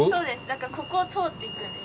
だからここを通っていくんです。